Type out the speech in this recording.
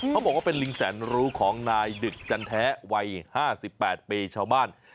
เขาบอกว่าเป็นลิงแสนรู้ของนายดึกจันแท้วัย๕๘ปีชาวบ้าน